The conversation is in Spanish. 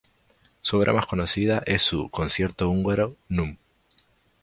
Su obra más conocida es su "Concierto Húngaro, núm.